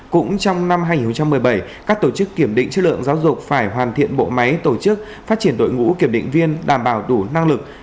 cũng trong năm hai nghìn một mươi bảy các tổ chức kiểm định chất lượng giáo dục phải hoàn thiện bộ máy tổ chức phát triển đội ngũ kiểm định viên đảm bảo đủ năng lực